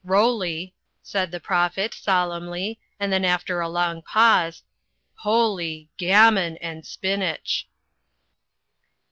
"Rowley," said the Prophet, solemnly, and then after a long pause, "Powley, Gammon and Spinach."